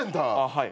はい。